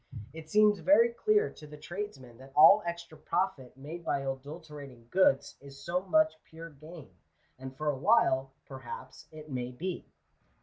It seems very clear to the tradesman that all extra profit made by adulterating goods, is so much pure gain ; and for a while,, perhaps, it may be.